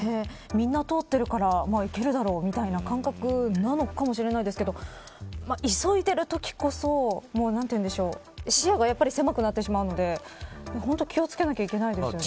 みんな通ってるからいけるだろうみたいな感覚なのかもしれないですけど急いでるときこそ視野がやっぱり狭くなってしまうので本当気を付けなくてはいけないですよね。